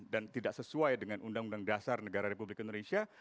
dan tidak sesuai dengan undang undang dasar negara republik indonesia